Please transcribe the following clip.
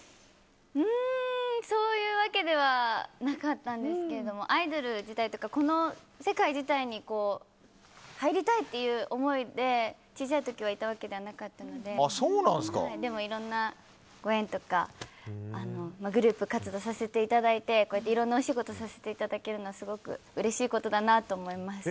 うーんそういうわけではなかったんですけれどもアイドル自体というかこの世界自体に入りたいという思いで小さい時はいたわけではなかったのででも、いろんなご縁やグループ活動させていただいてこうやっていろんなお仕事をさせていただけるのはすごくうれしいことだなと思います。